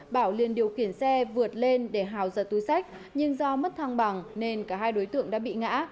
bảo liên điều khiển xe vượt lên để hào ra túi sách nhưng do mất thang bằng nên cả hai đối tượng đã bị ngã